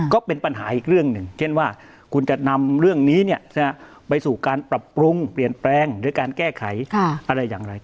ก็เป็นปัญหาอีกเรื่องหนึ่งเช่นว่าคุณจะนำเรื่องนี้ไปสู่การปรับปรุงเปลี่ยนแปลงหรือการแก้ไขอะไรอย่างไร